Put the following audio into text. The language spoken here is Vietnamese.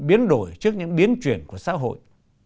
biến đổi trước những biến chuyển của xã hội